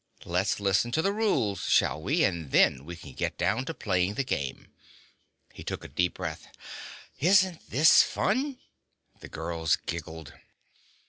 "Let's listen to the rules, shall we? And then we can get down to playing the game." He took a deep breath. "Isn't this fun?" The girls giggled.